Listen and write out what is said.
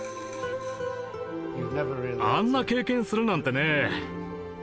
あんな経験するなんてね。